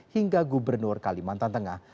hingga gubernur kalimantan tengah